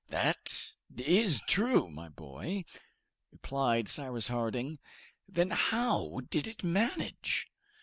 "That is true, my boy," replied Cyrus Harding. "Then how did it manage?"